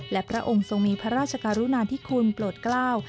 และพระองค์ทรงมีพระราชกรุณาธิคุณโปรดกล้าว